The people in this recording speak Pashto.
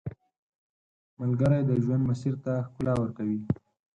ملګری د ژوند مسیر ته ښکلا ورکوي